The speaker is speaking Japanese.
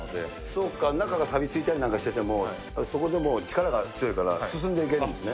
そうか、中がさびついたりなんかしてても、そこでも、力が強いから進んでいけるんですね。